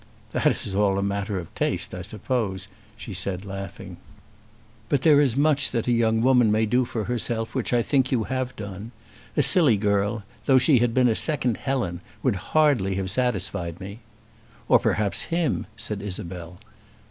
"That is all a matter of taste, I suppose," she said, laughing. "But there is much that a young woman may do for herself which I think you have done. A silly girl, though she had been a second Helen, would hardly have satisfied me." "Or perhaps him," said Isabel.